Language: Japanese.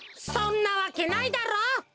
そんなわけないだろ？